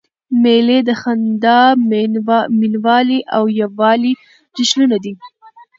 مېلې د خندا، مینوالۍ او یووالي جشنونه دي.